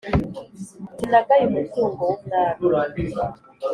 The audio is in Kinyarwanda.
sinagaye umutungo w’umwami!